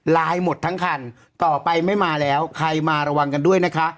หมดทั้งคันต่อไปไม่มาแล้วใครมาระวังกันด้วยนะคะ